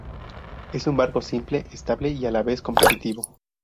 Es un barco simple, estable, y, a la vez, competitivo.